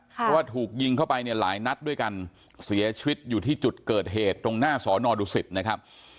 เพราะว่าถูกยิงเข้าไปเนี่ยหลายนัดด้วยกันเสียชีวิตอยู่ที่จุดเกิดเหตุตรงหน้าสอนอดุสิตนะครับ